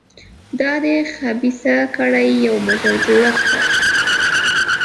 دا د خبیثه کړۍ یو مضر جوړښت دی.